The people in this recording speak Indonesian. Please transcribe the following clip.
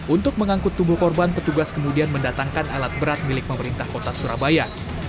untuk mengangkut tubuh korban petugas kemudian mendatangkan alat berat milik pemerintah kota surabaya